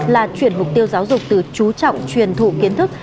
là chuyển mục tiêu giáo dục từ trú trọng truyền thụ kiến thức